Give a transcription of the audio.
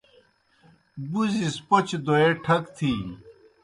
بُزیْ سہ پوْچہ دویے ٹھک تِھینیْ۔